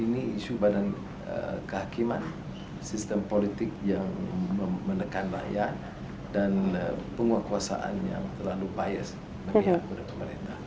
ini isu badan kehakiman sistem politik yang menekan rakyat dan penguatkuasaan yang terlalu bias dari pemerintah